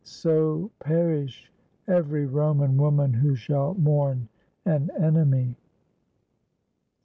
So perish every Roman woman who shall mourn an enemy."